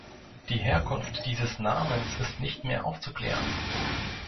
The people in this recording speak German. Die Herkunft dieses Namens ist nicht mehr aufzuklären.